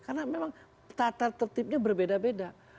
karena memang tata tata tertibnya berbeda beda